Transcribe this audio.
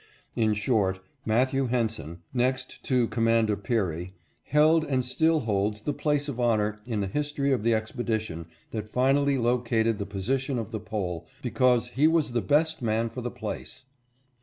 In short, Matthew Henson, next to Commander Peary, held and still holds the place of honor in the history of the expedition that finally located the position of the Pole, because he was the best man for the place.